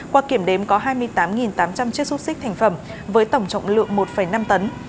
qua kiểm đếm có hai mươi tám tám trăm linh chiếc xúc xích thành phẩm với tổng trọng lượng một năm tấn